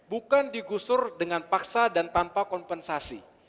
bukan digusur dengan paksa dan tanpa kompensasi